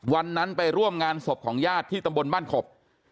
วันนั้นไปร่วมงานศพของญาติที่ตำบลบ้านขบ